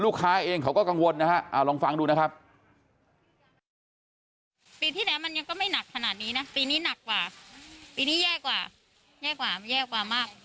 ขนาดนี้นะปีนี้หนักกว่าปีนี้แย่กว่าแย่กว่าแย่กว่ามาก